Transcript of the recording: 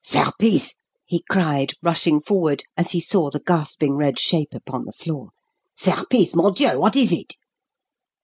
"Serpice!" he cried, rushing forward, as he saw the gasping red shape upon the floor; "Serpice! Mon Dieu! what is it?"